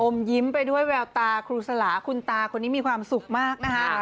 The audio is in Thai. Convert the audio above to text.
ยิ้มไปด้วยแววตาครูสลาคุณตาคนนี้มีความสุขมากนะคะ